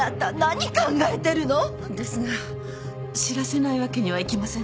ですが知らせないわけにはいきませんので。